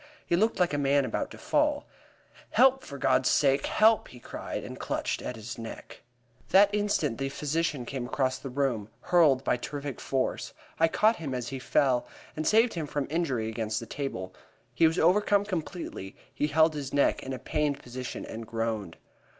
He looked like a man about to fall. "Help, for God's sake, help!" he cried, and clutched at his neck. That instant the physician came across the room, hurled by terrific force. I caught him as he fell, and saved him from an injury against the table. He was overcome completely; he held his neck in a pained position and groaned.